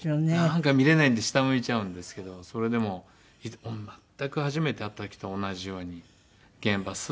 なんか見れないんで下向いちゃうんですけどそれでも全く初めて会った時と同じように現場ス